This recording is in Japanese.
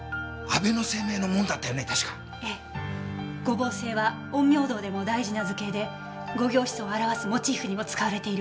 五芒星は陰陽道でも大事な図形で五行思想を表すモチーフにも使われているわ。